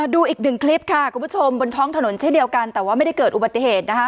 ดูอีกหนึ่งคลิปค่ะคุณผู้ชมบนท้องถนนเช่นเดียวกันแต่ว่าไม่ได้เกิดอุบัติเหตุนะคะ